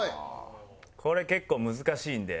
これ結構難しいんで。